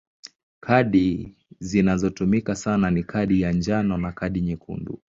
Kadi zinazotumika sana ni kadi ya njano na kadi nyekundu.